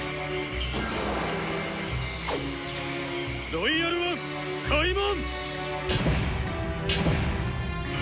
「ロイヤル・ワン」開門！